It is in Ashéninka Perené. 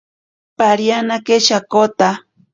Parianake shakota.